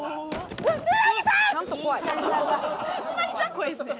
怖いですね。